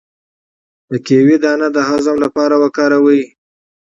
د کیوي دانه د هضم لپاره وکاروئ